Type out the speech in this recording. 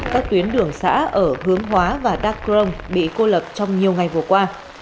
các tuyến đường xã ở hướng hóa và đắk crong bị cô lập trong nhiều ngày vừa qua